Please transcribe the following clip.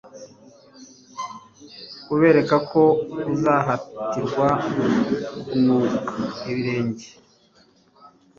kuberako uzahatirwa kunuka ibirenge